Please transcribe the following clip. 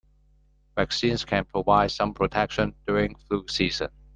Vaccines can provide some protection during flu season.